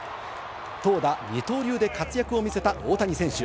投打二刀流で活躍を見せた大谷選手。